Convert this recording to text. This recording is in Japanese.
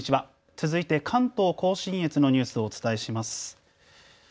続いて関東甲信越のニュースをお伝えします。